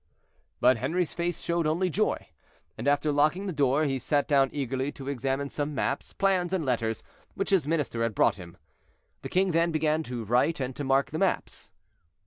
But Henri's face showed only joy; and after locking the door, he sat down eagerly to examine some maps, plans, and letters, which his minister had brought him. The king then began to write and to mark the maps.